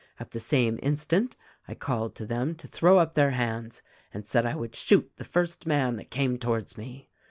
At the same instant I called to them to throw up their hands and said I would shoot the first man that came towards me.